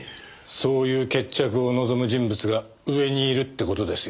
そういう決着を望む人物が上にいるって事ですよ。